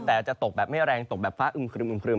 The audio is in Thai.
แต่จะตกแบบไม่แรงตกแบบฟ้าอึมครึม